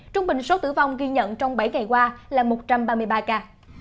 trung bình số tử vong ghi nhận trong bảy ngày qua là một trăm ba mươi ba ca